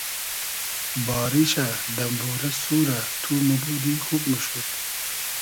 باریشۂ ، دئمبورۂ سورۂ تو موبودی خوب موشود